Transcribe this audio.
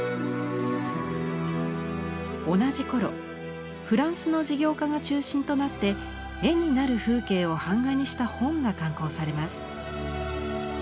同じ頃フランスの事業家が中心となって「絵になる風景」を版画にした本が刊行されます。